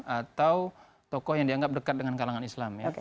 atau tokoh yang dianggap dekat dengan kalangan islam ya